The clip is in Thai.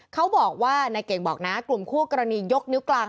เขาบอกว่านายเก่งบอกนะกลุ่มคู่กรณียกนิ้วกลาง